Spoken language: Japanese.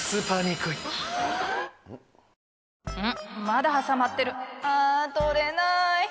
まだはさまってるあ取れない！